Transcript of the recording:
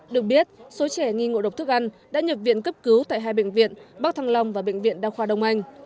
được biết số trẻ nghi ngộ độc thức ăn đã nhập viện cấp cứu tại hai bệnh viện bắc thăng long và bệnh viện đa khoa đông anh